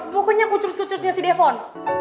pokoknya kucut kucusnya si defon